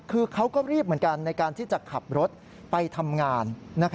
คือเขาก็รีบเหมือนกันในการที่จะขับรถไปทำงาน